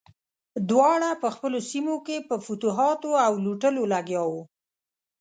دواړه په خپلو سیمو کې په فتوحاتو او لوټلو لګیا وو.